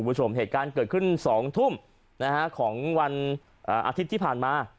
ผู้ชมเหตุการณ์เกิดขึ้นสองทุ่มนะฮะของวันอ่าอาทิตย์ที่ผ่านมา